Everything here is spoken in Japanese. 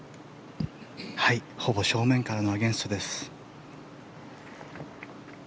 ほぼ正面からのアゲンストです。